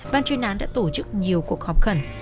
ban chuyên án đã tổ chức nhiều cuộc họp khẩn